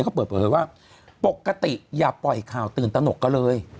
เขาเปิดเผยว่าปกติอย่าปล่อยข่าวตื่นตนกกันเลย